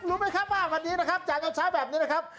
รู้ไหมครับว่าวันนี้นะครับจ่ายยาเช้าแบบนี้นะครับ